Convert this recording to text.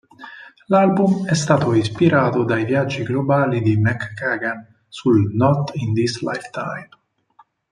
L'album è stato ispirato dai viaggi globali di McKagan sul Not in This Lifetime...